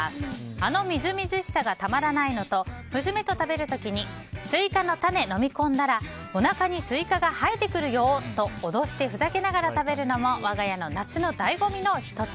あのみずみずしさがたまらないのと娘と食べる時にスイカの種、飲み込んだらおなかにスイカが生えてくるよと脅してふざけながら食べるのも我が家の夏の醍醐味の１つ。